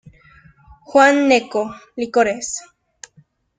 Juan Gnecco; Licores.